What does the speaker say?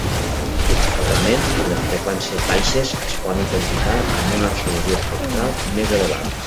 Altrament, les freqüències baixes es poden codificar amb una resolució espectral més elevada.